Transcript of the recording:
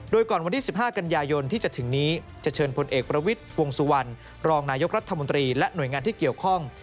โดยก่อนวันที่๑๕กันยายนที่จะถึงนี้จะเชิญพลเอกประวิทย์วงสุวรรณรองนายกรัฐมนตรีและหน่วยงานที่เกี่ยวข้อง